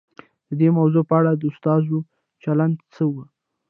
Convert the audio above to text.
د دې موضوع په اړه د استازو چلند څه و؟